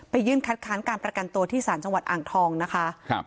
ยื่นคัดค้านการประกันตัวที่ศาลจังหวัดอ่างทองนะคะครับ